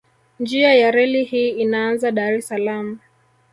Njia ya reli hii inaanza Dar es Salaam